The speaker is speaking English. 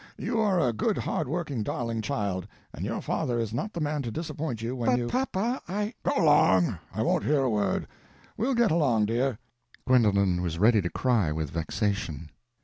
You are a good hard working darling child, and your father is not the man to disappoint you when you—" "But papa, I—" "Go along, I won't hear a word. We'll get along, dear." Gwendolen was ready to cry with vexation.